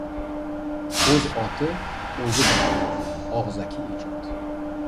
O‘z oti o‘zi bilan – og‘zaki ijod.